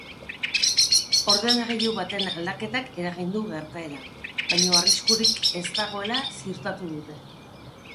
Ordenagailu baten aldaketak eragin du gertaera, baina arriskurik ez dagoela ziurtatu dute.